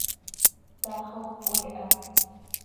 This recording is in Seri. Taax oo cöquee ha.